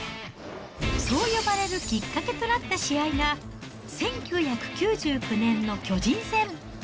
そう呼ばれるきっかけとなった試合が、１９９９年の巨人戦。